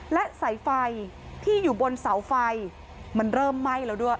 และสายไฟที่อยู่บนเสาไฟมันเริ่มไหม้แล้วด้วย